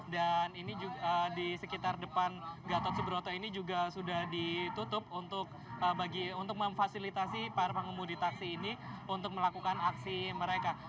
dan ini juga di sekitar depan gatot subroto ini juga sudah ditutup untuk memfasilitasi para pengemudi taksi ini untuk melakukan aksi mereka